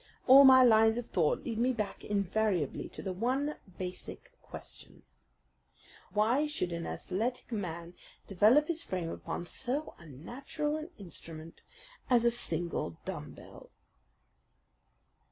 All my lines of thought lead me back invariably to the one basic question why should an athletic man develop his frame upon so unnatural an instrument as a single dumb bell?"